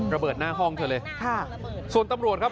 ระเบิดหน้าห้องเธอเลยค่ะส่วนตำรวจครับ